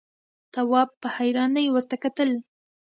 تواب په حيرانۍ ورته کتل…